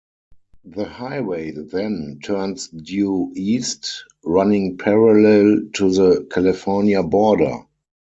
The highway then turns due east, running parallel to the California border.